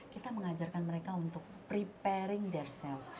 kita mengajarkan mereka untuk preparing their cell